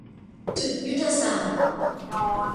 จุดยุทธศาสตร์